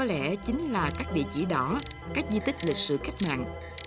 là các địa chỉ đỏ các di tích lịch sử khách nạn